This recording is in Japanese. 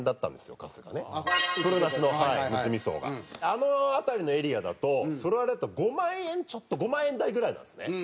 あの辺りのエリアだと風呂ありだと５万円ちょっと５万円台ぐらいなんですね。